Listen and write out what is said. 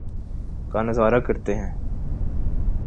کا نظارہ کرتے ہیں